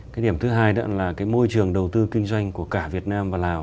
cái điểm thứ hai là môi trường đầu tư kinh doanh của cả việt nam và lào